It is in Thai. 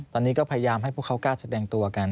ตอนนี้ก็พยายามให้พวกเขากล้าแสดงตัวกัน